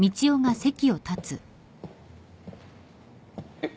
えっ。